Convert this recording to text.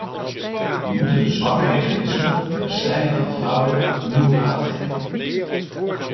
We moeten de zwakke mechanismen ter bestrijding van fraude nieuwe kracht geven.